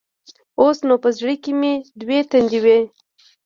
اوس نو په زړه کښې مې دوې تندې وې.